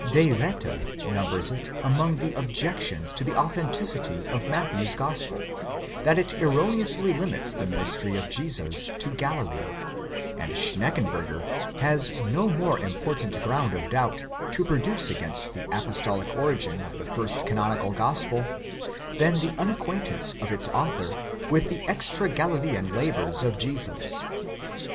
De Wette numbers it among the objections to the authenticity of Matthew's gospel, that it erroneously limits the ministry of Jesus to Galilee," and Schneckenburger has no more important ground of doubt to produce against the apostolic origin of the first canonical gospel, than the unacquaintance of its author with the extra Galilean labours of Jesus.